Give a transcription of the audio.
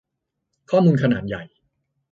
ข้อมูลขนาดใหญ่